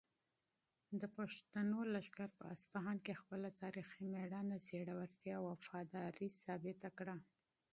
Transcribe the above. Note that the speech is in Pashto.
د پښتنو لښکر په اصفهان کې خپله تاریخي مېړانه، زړورتیا او وفاداري ثابته کړه.